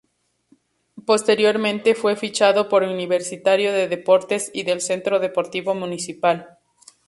Posteriormente, fue fichado por Universitario de Deportes y del Centro Deportivo Municipal.